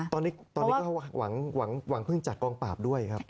ตอนนี้ก็หวังพึ่งจากกองปราบด้วยครับ